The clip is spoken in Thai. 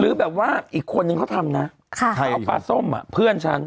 แบบว่าอีกคนนึงเขาทำนะเพราะปลาส้มอ่ะเพื่อนฉัน